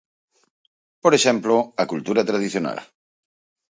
Por exemplo, a cultura tradicional.